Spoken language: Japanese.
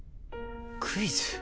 クイズ？